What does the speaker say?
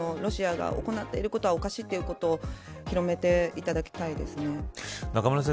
ロシアが行っていることはおかしいということを広めていただきたいです。